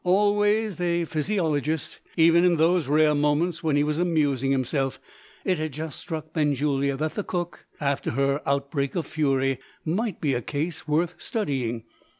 Always a physiologist, even in those rare moments when he was amusing himself, it had just struck Benjulia that the cook after her outbreak of fury might be a case worth studying.